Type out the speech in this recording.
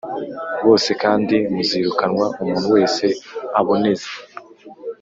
bose kandi muzirukanwa umuntu wese aboneze